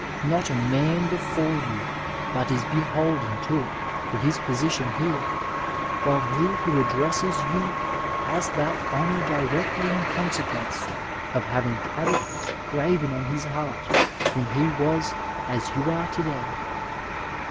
Not a man before you but is beholden to it for his position here, while he who addresses you has that honour directiy in consequence of having had it graven on his heart when he was as you are to day.